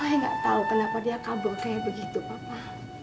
i gak tau kenapa dia kabur kayak begitu papa